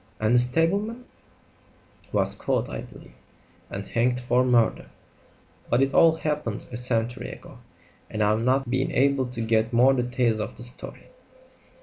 "And the stableman ?" "Was caught, I believe, and hanged for murder; but it all happened a century ago, and I've not been able to get more details of the story."